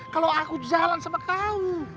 kalau aku jalan sama kamu